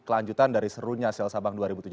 kelanjutan dari serunya sel sabang dua ribu tujuh belas